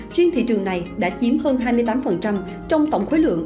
riêng thị trường này đã chiếm hơn hai mươi tám trong tổng khối lượng